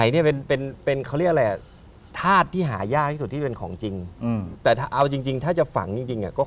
เดี๋ยวเร็วหนี้จะไปเอาข้างหลังอีก๕